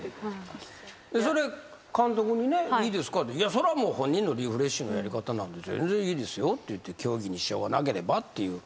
それはもう本人のリフレッシュのやり方なので全然いいですよって言って競技に支障がなければっていう。